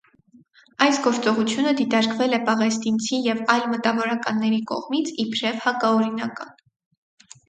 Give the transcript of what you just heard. Այս գործողությունը դիտարկվել է պաղեստինցի և այլ մտավորականների կողմից իբրև հակաօրինական։